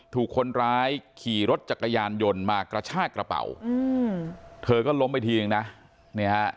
ถูกคนร้ายขี่รถจักรยานยนต์มากระชากระเป๋าเธอก็ล้มไปทีนึงนะเนี่ยฮะ